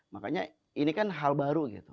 makanya ini kan hal baru gitu